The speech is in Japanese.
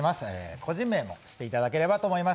個人名も知っていただければと思います。